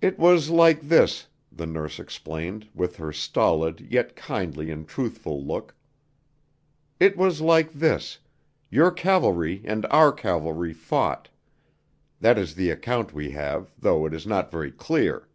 "It was like this," the nurse explained, with her stolid yet kindly and truthful look; "it was like this: Your cavalry and our cavalry fought. That is the account we have, though it is not very clear.